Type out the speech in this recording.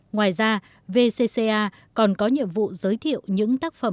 ngoài ra vcca còn có nhiệm vụ giới thiệu những tác phẩm